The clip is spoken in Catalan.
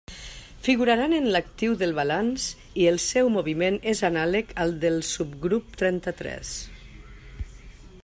Figuraran en l'actiu del balanç i el seu moviment és anàleg al del subgrup trenta-tres.